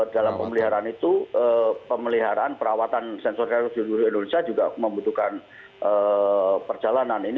dalam pemeliharaan itu pemeliharaan perawatan sensor senior di seluruh indonesia juga membutuhkan perjalanan